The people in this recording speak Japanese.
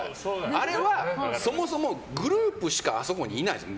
あれはそもそもグループしかあそこにいないんです。